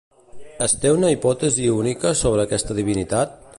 Es té una hipòtesi única sobre aquesta divinitat?